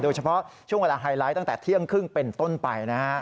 โดยเฉพาะช่วงเวลาไฮไลท์ตั้งแต่เที่ยงครึ่งเป็นต้นไปนะครับ